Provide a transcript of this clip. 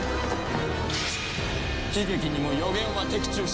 悲劇にも予言は的中した。